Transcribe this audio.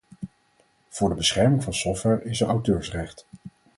Voor de bescherming van software is er auteursrecht.